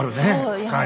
深い。